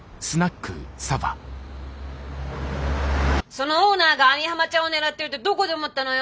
そのオーナーが網浜ちゃんを狙ってるってどこで思ったのよ？